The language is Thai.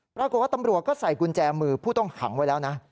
ปรากฏว่าตำรวจก็ใส่กุญแจมือผู้ต้องขังไว้แล้วนะ